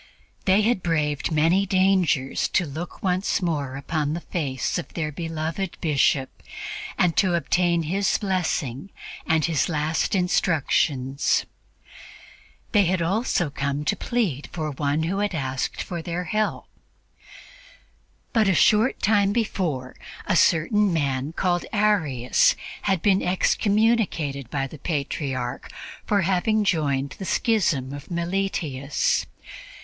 They had braved many dangers to look once more upon the face of their beloved Bishop and to obtain his blessing and his last instructions; they had come also to plead for one who had asked their help. But a short time before, a certain man called Arius had been excommunicated by the Patriarch for having joined the schism of Meletius.